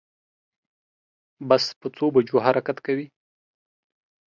بس په څو بجو حرکت کوی